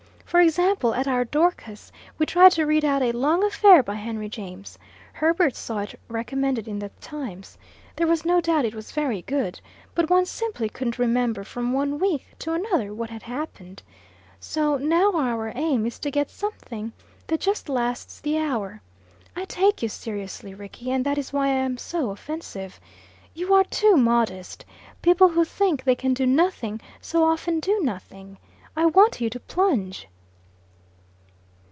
For example, at our Dorcas we tried to read out a long affair by Henry James Herbert saw it recommended in 'The Times.' There was no doubt it was very good, but one simply couldn't remember from one week to another what had happened. So now our aim is to get something that just lasts the hour. I take you seriously, Rickie, and that is why I am so offensive. You are too modest. People who think they can do nothing so often do nothing. I want you to plunge."